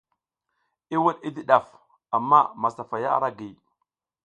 I wuɗ i di ɗaf, amma masafaya ara giy.